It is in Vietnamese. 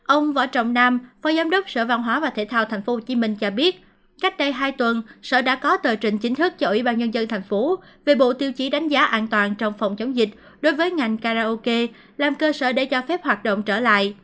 ông võ trọng nam phó giám đốc sở văn hóa và thể thao tp hcm cho biết cách đây hai tuần sở đã có tờ trình chính thức cho ủy ban nhân dân tp về bộ tiêu chí đánh giá an toàn trong phòng chống dịch đối với ngành karaoke làm cơ sở để cho phép hoạt động trở lại